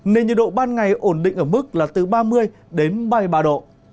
nên nhiệt độ ban ngày ổn định ở mức là từ ba mươi đến ba mươi ba độ